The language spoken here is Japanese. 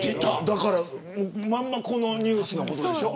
だから、まんまこのニュースのことでしょ。